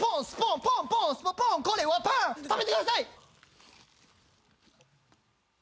食べてください